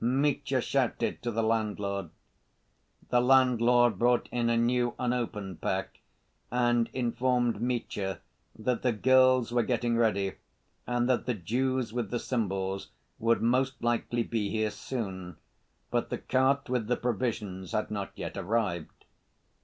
Mitya shouted to the landlord. The landlord brought in a new, unopened pack, and informed Mitya that the girls were getting ready, and that the Jews with the cymbals would most likely be here soon; but the cart with the provisions had not yet arrived.